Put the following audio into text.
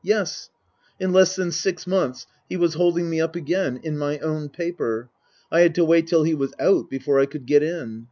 (Yes ; in less than six months he was holding me up, again, in my own paper. I had to wait till he was " out " before I could get in.)